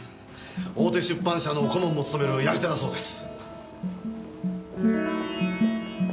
大手出版社の顧問も務めるやり手だそうです。